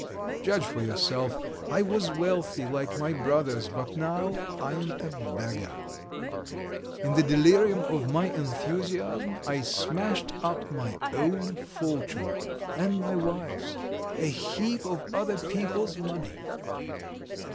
Judge, for yourself. I was wealthy like my brothers, but now I am a beggar. In the delirium of my enthusiasm I smashed up my own fortune and my wife's a heap of other people's money.